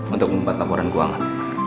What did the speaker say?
untuk membuat laporan keuangan